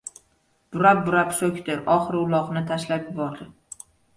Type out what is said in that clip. Burab-burab so‘kdi. Oxiri uloqni tashlab yubordi.